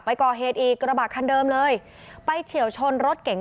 ไปกรเฮดอีกกระบาดคันเดิมเลยไปเฉียวชนรถเก่ง